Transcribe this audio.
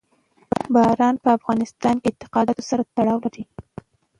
باران په افغانستان کې له اعتقاداتو سره تړاو لري.